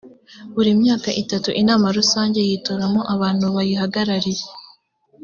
buri myaka itatu inama rusange yitoramo abantu bayihagarariye